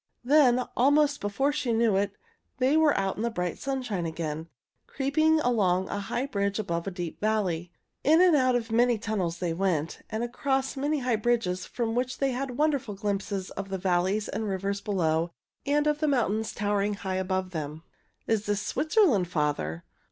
Then, almost before she knew it, they were out in the bright sunshine again, creeping along a high bridge above a deep valley. In and out of many tunnels they went, and across many high bridges from which they had wonderful glimpses of the valleys and rivers below and of the mountains towering high above them. "Is this Switzerland, father?"